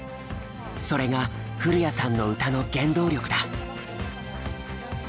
それが古谷さんの歌の原動力だ。